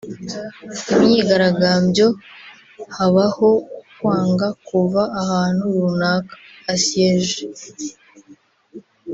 Imyigarambyo habaho kwanga kuva ahantu runaka (Assièger)